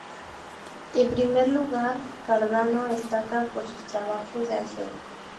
En primer lugar, Cardano destaca por sus trabajos de álgebra.